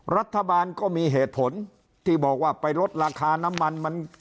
รัฐบาลก็มีเหตุผลที่บอกว่าไปลดราคาน้ำมัน